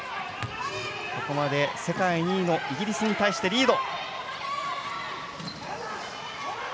ここまで世界２位のイギリスに対してリード。